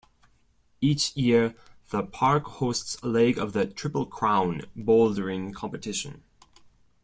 Each year, the park hosts a leg of the "Triple Crown" bouldering competition.